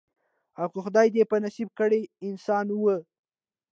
او که خدای دي په نصیب کړی انسان وي